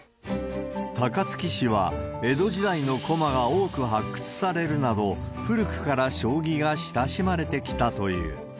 高槻市は、江戸時代の駒が多く発掘されるなど、古くから将棋が親しまれてきたという。